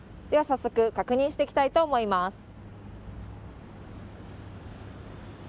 では早速、確認してきたいと思います。